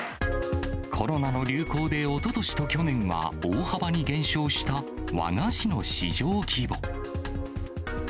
コロナの流行でおととしと去年は大幅に減少した和菓子の市場規模。